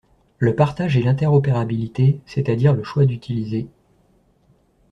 le partage et l'interopérabilité, c'est à dire le choix d'utiliser